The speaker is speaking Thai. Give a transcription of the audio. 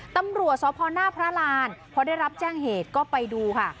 ตำรวจสพหน้าพระรานพอได้รับแจ้งเหตุก็ไปดูค่ะ